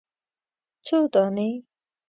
_څو دانې ؟